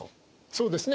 そうですね。